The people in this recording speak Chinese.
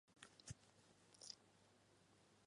獐耳细辛为毛茛科獐耳细辛属下的一个变种。